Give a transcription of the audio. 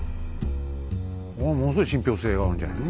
ものすごい信憑性があるんじゃないの？